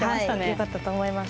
よかったと思います。